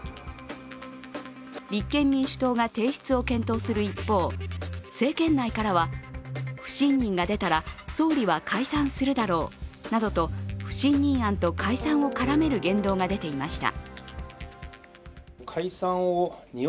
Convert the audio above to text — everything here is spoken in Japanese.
立憲民主党が提出を検討する一方、政権内からは、不信任が出たら総理は解散するだろうなどと不信任案と解散を絡める言動が出ていました。